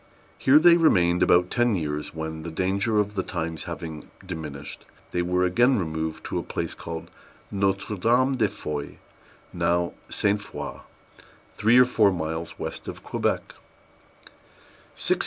Here they remained about ten years, when, the danger of the times having diminished, they were again removed to a place called Notre Dame de Foy, now St. Foi, three or four miles west of Quebec.